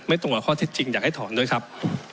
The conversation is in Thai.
ตรงกับข้อเท็จจริงอยากให้ถอนด้วยครับ